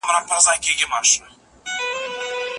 سندرې د ګډوډۍ مخه نیسي.